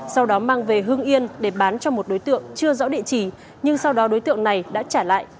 sau đó mang về hương yên để bán cho một đối tượng chưa rõ địa chỉ nhưng sau đó đối tượng này đã trả lại